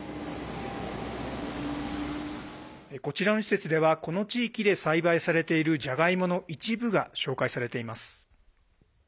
こちらの施設ではこの地域で栽培されているじゃがいもの一部が紹介されています。